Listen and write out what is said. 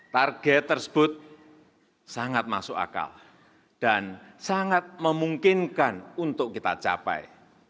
target tersebut sangat masuk akal dan sangat memungkinkan untuk kita capai